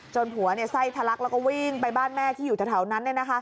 จนผัวใส่ทะลักแล้วก็วิ่งไปบ้านแม่ที่อยู่ทะเลาะนั้น